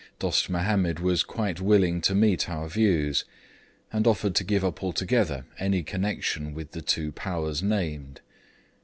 Dost Mahomed was quite willing to meet our views, and offered to give up altogether any connection with the two Powers named.